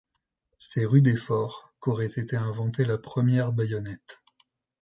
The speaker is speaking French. C’est rue des Faures qu’aurait été inventée la première baïonnette.